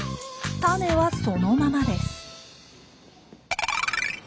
種はそのままです。